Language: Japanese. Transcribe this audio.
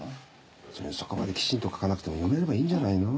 それにそこまできちんと書かなくても読めればいいんじゃないの？